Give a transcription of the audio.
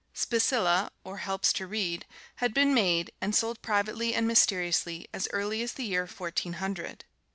"Specilla," or helps to read, had been made, and sold privately and mysteriously, as early as the year Fourteen Hundred.